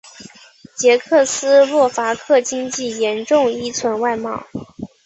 捷克斯洛伐克经济严重依存外贸。